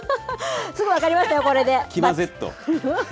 すぐ分かりましたよ、これで。